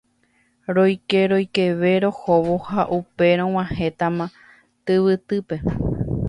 Roikeroikeve rohóvo ha upéi rog̃uahẽtama tyvytýpe